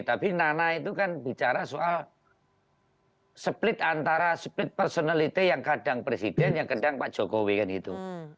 tapi nana itu kan bicara soal split antara split personality yang kadang presiden yang kadang pak jokowi kan itu